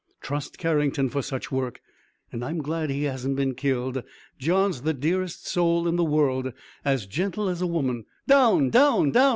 Trust Carrington for such work, and I'm glad he hasn't been killed. John's the dearest soul in the world, as gentle as a woman. Down! Down!